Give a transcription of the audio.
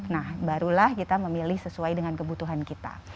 nah barulah kita memilih sesuai dengan kebutuhan kita